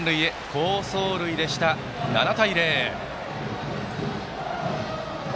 好走塁でした、７対０。